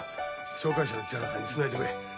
紹介者の木原さんにつないでくれ。